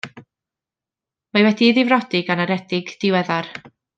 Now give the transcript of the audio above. Mae wedi'i ddifrodi gan aredig diweddar.